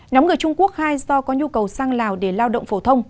nhóm người trung quốc khai do có nhu cầu sang lào để lao động phổ thông